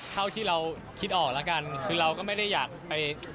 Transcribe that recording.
เท่าที่เราคิดออกแล้วกันคือเราก็ไม่ได้อยากไป